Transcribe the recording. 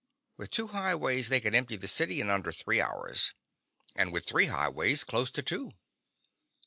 With two highways they could empty the city in under three hours, and with three highways close to two.